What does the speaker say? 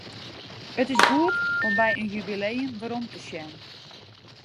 It is goed om by in jubileum werom te sjen.